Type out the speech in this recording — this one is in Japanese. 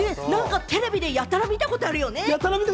テレビでやたら見たことあるよね。